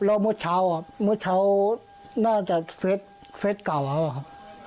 แล้วเมื่อเช้าน่าจะเฟสเก่าแล้วครับ